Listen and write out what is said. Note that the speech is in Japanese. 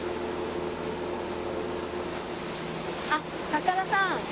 あっ高田さん。